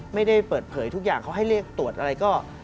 ไม่ได้เปิดเผยทุกอย่างเขาให้เรียกตรวจอะไรก็